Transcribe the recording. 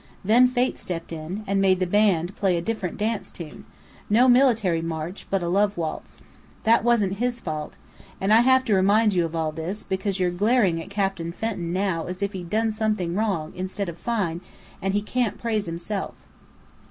Then Fate stepped in, and made the band play a different dance tune; no military march, but a love waltz. That wasn't his fault. And I have to remind you of all this, because you're glaring at Captain Fenton now as if he'd done something wrong instead of fine, and he can't praise himself."